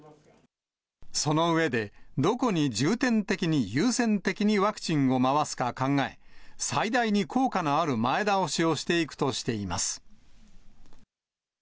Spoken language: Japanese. その上で、どこに重点的に優先的にワクチンを回すか考え、最大に効果のある前倒しをしていくとしています。